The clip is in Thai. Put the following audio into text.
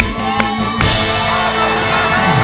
ได้ครับได้